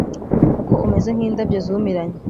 kuko umeze nk’indabyo zumiranye,